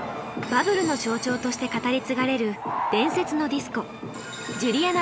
バブルの象徴として語り継がれる伝説のディスコジュリアナ東京。